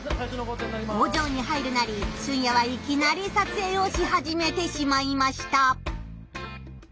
工場に入るなりシュンヤはいきなり撮影をし始めてしまいました。